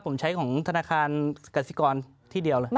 ผมใช้ของธนาคารกสิกรที่เดียวเลย